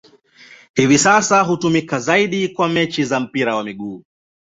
Hivi sasa hutumika zaidi kwa mechi za mpira wa miguu.